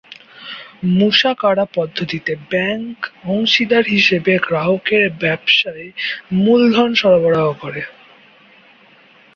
মুশারাকা পদ্ধতিতে ব্যাংক অংশীদার হিসেবে গ্রাহকের ব্যবসায়ে মূলধন সরবরাহ করে।